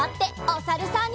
おさるさん。